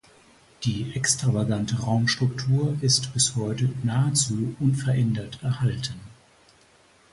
Die extravagante Raumstruktur ist bis heute nahezu unverändert erhalten.